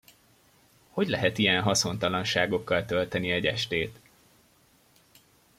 Hogy lehet ilyen haszontalanságokkal tölteni egy estét?